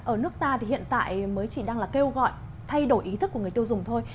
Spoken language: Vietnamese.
ở nước ta thì hiện tại mới chỉ đang là kêu gọi thay đổi ý thức của người tiêu dùng thôi